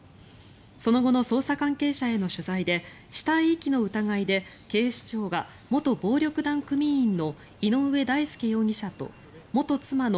その後の捜査関係者への取材で死体遺棄の疑いで警視庁が元暴力団組員の井上大輔容疑者と元妻の